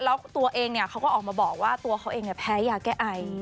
แล้วตัวเองเขาก็ออกมาบอกว่าตัวเขาเองแพ้ยาแก้ไอ